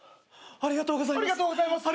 ありがとうございます！